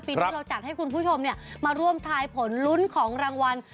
ที่เราจัดให้คุณผู้ชมมาร่วมทายผลลุ้นของรางวัล